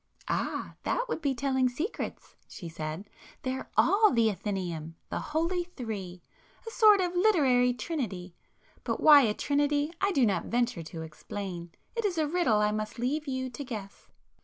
"Ah, that would be telling secrets!" she said—"They're all the 'Athenæum'—the holy Three,—a sort of literary Trinity. But why a trinity I do not venture to explain!—it is a riddle I must leave you to guess!"